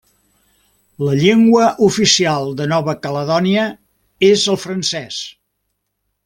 La llengua oficial de Nova Caledònia és el francès.